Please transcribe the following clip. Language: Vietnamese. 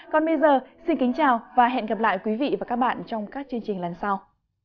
còn bây giờ xin kính chào và hẹn gặp lại quý vị và các bạn trong các chương trình lần sau